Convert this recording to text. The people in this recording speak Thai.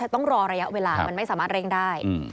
ต้องรอระยะเวลามันไม่สามารถเร่งได้